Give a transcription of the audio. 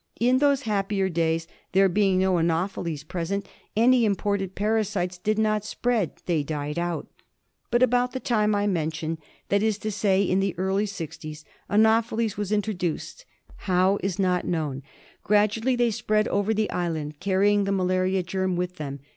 In those happier days, there being no anopheles present, any imported parasites did not spread ; they died out. But about the time I mention, that is to say in the early sixties, anopheles were introduced; how, is not known. Gradually they spread over the island, carrying the malaria germ with them.